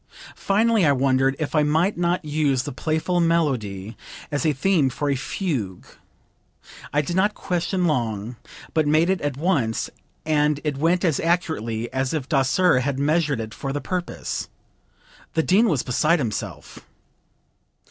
Finally I wondered if I might not use the playful melody as a theme for a fugue. I did not question long, but made it at once, and it went as accurately as if Daser had measured it for the purpose. The dean was beside himself."